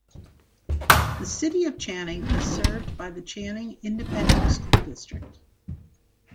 The City of Channing is served by the Channing Independent School District.